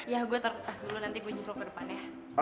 ya gue taruh tas dulu nanti gue nyusul ke depan ya